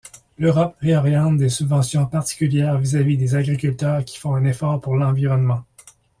L'Europe réoriente des subventions particulières vis-à-vis des agriculteurs qui font un effort pour l'environnement.